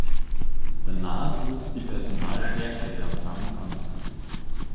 Danach wuchs die Personalstärke rasant an.